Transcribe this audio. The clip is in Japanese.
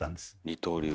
二刀流。